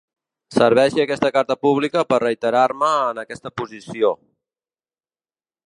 Serveixi aquesta carta pública per reiterar-me en aquesta posició.